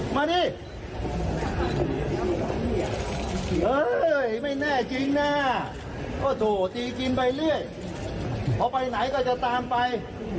มาดิเอ้ยไม่แน่จริงแน่ก็โถตีกินไปเรื่อยพอไปไหนก็จะตามไป